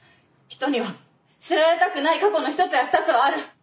人には知られたくない過去の１つや２つはある。